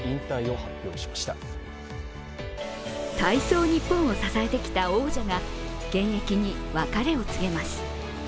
体操ニッポンを支えてきた王者が現役に別れを告げます。